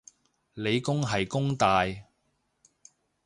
理工係弓大